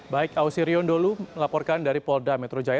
baik ausirion dholu melaporkan dari polda metro jaya